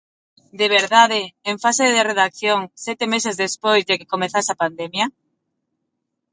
¿De verdade, en fase de redacción, sete meses despois de que comezase a pandemia?